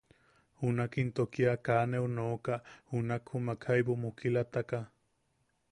Junak into kia kaa neu nooka, junak jumak jaibu mukilataka.